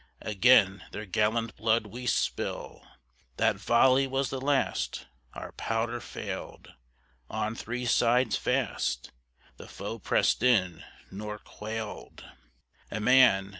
Again their gallant blood we spill: That volley was the last: Our powder failed. On three sides fast The foe pressed in; nor quailed A man.